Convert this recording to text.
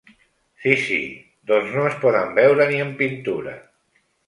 Sí, sí, doncs no es poden veure ni en pintura.